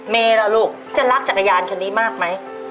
ล่ะลูกจะรักจักรยานคันนี้มากไหม